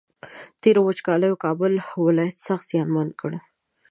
تېرو وچکالیو کابل ولایت سخت زیانمن کړ